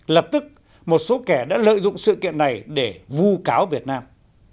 lập tức một số kẻ đã lợi dụng sự kiện này để vu cáo việt nam